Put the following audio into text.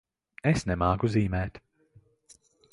Es nemāku zīmēt.